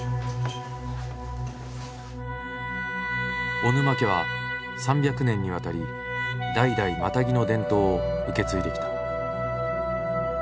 小沼家は３００年にわたり代々マタギの伝統を受け継いできた。